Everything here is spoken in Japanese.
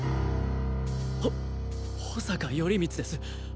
ほ保坂頼光です。